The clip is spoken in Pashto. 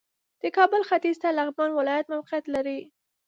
د کابل ختیځ ته لغمان ولایت موقعیت لري